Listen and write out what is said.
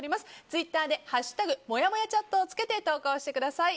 ツイッターで「＃もやもやチャット」をつけて投稿してください。